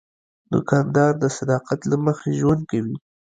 دوکاندار د صداقت له مخې ژوند کوي.